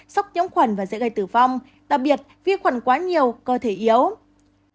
sốc nhiễm khuẩn và dễ gây tử vong đặc biệt vi khuẩn quá nhiều cơ thể yếu